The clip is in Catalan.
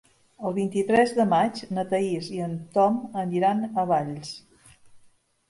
El vint-i-tres de maig na Thaís i en Tom aniran a Valls.